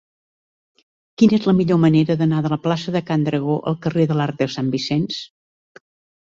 Quina és la millor manera d'anar de la plaça de Can Dragó al carrer de l'Arc de Sant Vicenç?